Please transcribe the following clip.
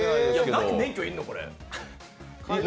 何で免許要るの？